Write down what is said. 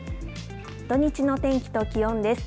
土日の天気と気温です。